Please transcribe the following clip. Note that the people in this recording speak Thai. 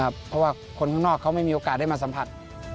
เพราะว่าคนข้างนอกเขาไม่มีโอกาสได้มาสัมผัส